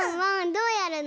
どうやるの？